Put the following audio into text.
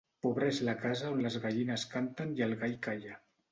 Pobra és la casa on les gallines canten i el gall calla.